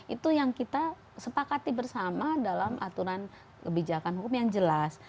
itu yang kita sepakati bersama dalam aturan kebijakan hukum yang jelas